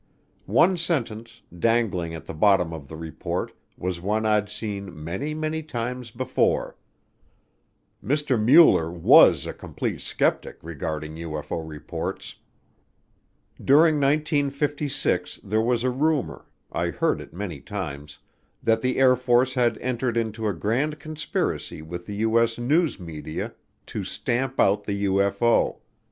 One sentence, dangling at the bottom of the report was one I'd seen many, many times before: "Mr. Mueller was a complete skeptic regarding UFO reports." During 1956 there was a rumor I heard it many times that the Air Force had entered into a grand conspiracy with the U.S. news media to "stamp out the UFO."